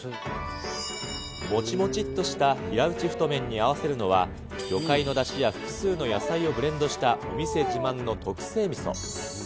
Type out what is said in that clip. もちもちっとした平打ち太麺に合わせるのは、魚介のだしや複数の野菜をブレンドしたお店自慢の特製みそ。